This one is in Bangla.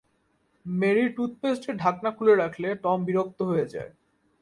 মেরি টুথপেস্টের ঢাকনা খুলে রাখলে টম বিরক্ত হয়ে যায়।